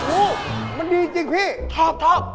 อู้วมันดีจริงทอบ